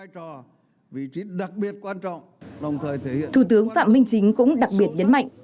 thủ tướng phạm minh chính cũng đặc biệt nhấn mạnh